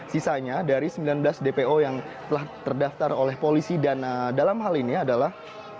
sisanya dari sembilan belas dpo yang telah terdaftar oleh polisi dan dalam hal ini adalah